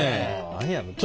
何やろう？